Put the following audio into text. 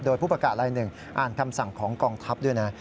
โดยผู้ประกาศลายหนึ่งอ่านคำสั่งของกองทัพด้วยนะ